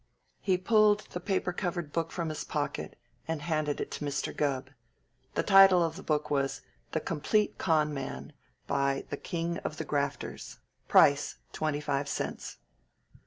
He pulled the paper covered book from his pocket and handed it to Mr. Gubb. The title of the book was "The Complete Con' Man, by the King of the Grafters. Price 25 cents."